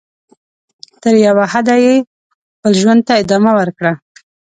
تر یوه حده یې خپل ژوند ته ادامه ورکړه.